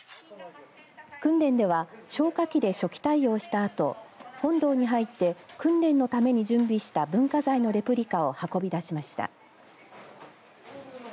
訓練では消火器で初期対応したあと本堂に入って訓練のために準備した文化財のレプリカを運び出しました。